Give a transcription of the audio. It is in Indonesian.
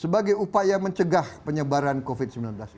sebagai upaya mencegah penyebaran covid sembilan belas